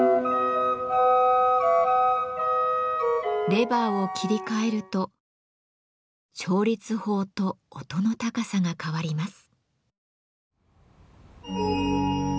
レバーを切り替えると調律法と音の高さが変わります。